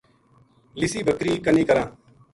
لِسی بکری کنی کراں